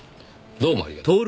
どうもありがとう。